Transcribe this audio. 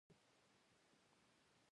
مصنوعي ځیرکتیا د ځواک تمرکز زیاتولی شي.